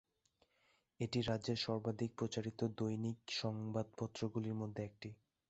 এটি রাজ্যের সর্বাধিক প্রচারিত দৈনিক সংবাদপত্রগুলির মধ্যে একটি।